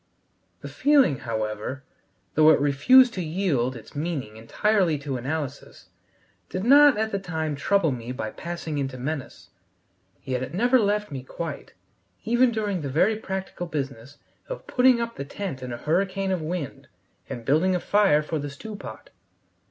The feeling, however, though it refused to yield its meaning entirely to analysis, did not at the time trouble me by passing into menace. Yet it never left me quite, even during the very practical business of putting up the tent in a hurricane of wind and building a fire for the stew pot.